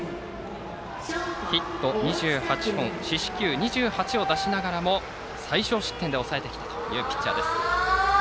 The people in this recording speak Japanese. ヒット２８本四死球２８を出しながらも最少失点で抑えてきたというピッチャーです。